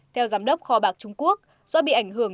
theo giám đốc kho bạc trung quốc do bị ảnh hưởng